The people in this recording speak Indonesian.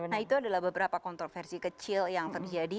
nah itu adalah beberapa kontroversi kecil yang terjadi